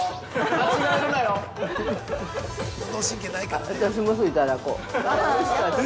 間違えるなよ。